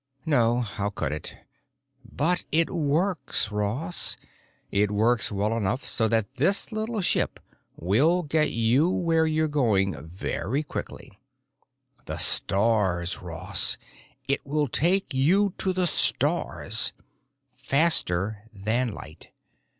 No. How could it? But it works, Ross. It works well enough so that this little ship will get you where you're going very quickly. The stars, Ross—it will take you to the stars. Faster than light.